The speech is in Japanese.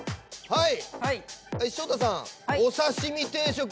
はい。